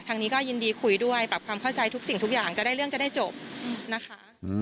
ทางนี้ก็ยินดีคุยด้วยปรับความเข้าใจทุกสิ่งทุกอย่างจะได้เรื่องจะได้จบนะคะ